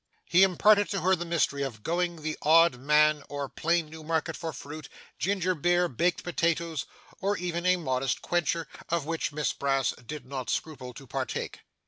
He imparted to her the mystery of going the odd man or plain Newmarket for fruit, ginger beer, baked potatoes, or even a modest quencher, of which Miss Brass did not scruple to partake.